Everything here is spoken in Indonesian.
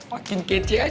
makin kece aja emak